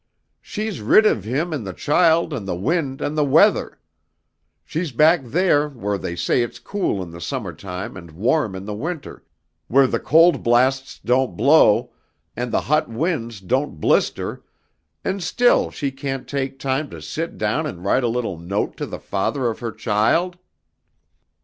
She's rid of him and the child and the wind and the weather. She's back there where they say it's cool in the summer time and warm in the winter, where the cold blasts don't blow, and the hot winds don't blister, and still she can't take time to sit down and write a little note to the father of her child."